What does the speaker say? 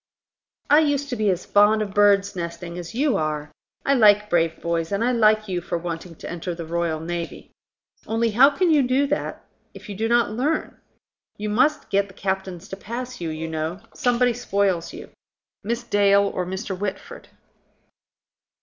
"I used to be as fond of birdsnesting as you are. I like brave boys, and I like you for wanting to enter the Royal Navy. Only, how can you if you do not learn? You must get the captains to pass you, you know. Somebody spoils you: Miss Dale or Mr. Whitford."